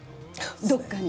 どっかに。